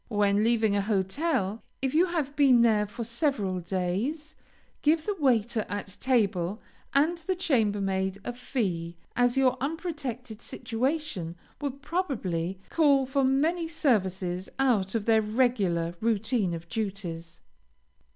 When leaving a hotel, if you have been there for several days, give the waiter at table, and the chambermaid, a fee, as your unprotected situation will probably call for many services out of their regular routine of duties.